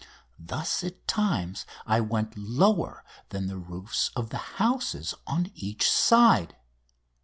Thus at times I went lower than the roofs of the houses on each side.